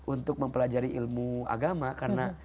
untuk mempelajari ilmu agama karena